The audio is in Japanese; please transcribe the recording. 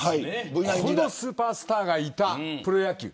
このスーパースターがいたプロ野球。